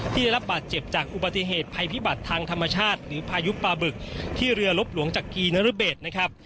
ได้รับบาดเจ็บจากอุบัติเหตุภัยพิบัติทางธรรมชาติหรือพายุปลาบึกที่เรือลบหลวงจักรีนรเบศนะครับ